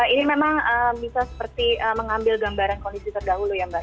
ini memang bisa seperti mengambil gambaran kondisi terdahulu ya mbak